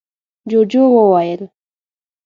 ُجوجُو وويل: